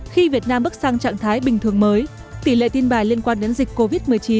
khi việt nam bước sang trạng thái bình thường mới tỷ lệ tin bài liên quan đến dịch covid một mươi chín